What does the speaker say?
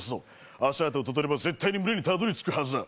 足跡を探せば絶対に群れにたどり着けるはずだ。